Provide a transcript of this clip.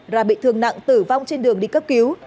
và bị thương nặng tử vong trên đường đi cấp cứu